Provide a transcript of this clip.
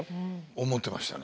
思ってましたね。